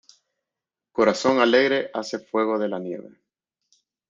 Corazón alegre hace fuego de la nieve.